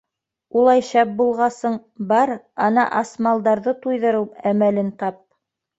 Улай шәп булғасың, бар, ана, ас малдарҙы туйҙырыу әмәлен тап!